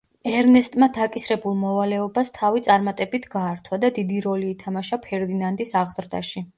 ერნესტმა დაკისრებულ მოვალეობას თავი წარმატებით გაართვა და დიდი როლი ითამაშა ფერდინანდის აღზრდაში.